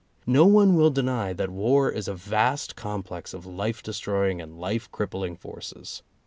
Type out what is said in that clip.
No one will deny that war is a vast complex of life destroying and life crippling forces.